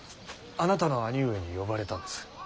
あなたの兄上に呼ばれたんです。